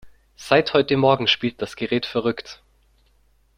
Seit heute Morgen spielt das Gerät verrückt.